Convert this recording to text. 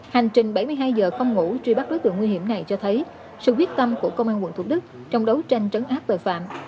hành trình bảy mươi hai giờ không ngủ truy bắt đối tượng nguy hiểm này cho thấy sự quyết tâm của công an quận thủ đức trong đấu tranh trấn áp tội phạm